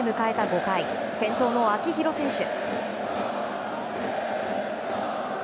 ５回先頭の秋広選手。